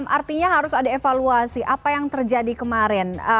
artinya harus ada evaluasi apa yang terjadi kemarin